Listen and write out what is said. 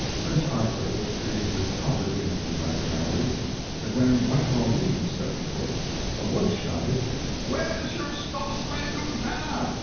Prince Arthur was treated with proper dignity by the gallery; but when Whitelaw Reid stepped forth a voice shouted, "Where's your Star spangled Banner?"